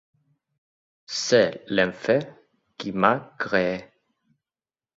«C'est l'enfer qui m'a créé».